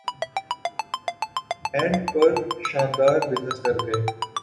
and پر شاندار business کرکے